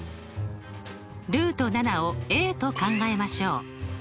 をと考えましょう。